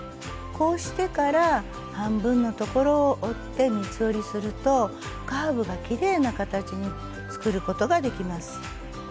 こうしてから半分の所を折って三つ折りするとカーブがきれいな形に作ることができます。